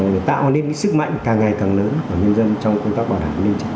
và tạo nên cái sức mạnh càng ngày càng lớn của nhân dân trong công tác bảo đảm nên chắc tự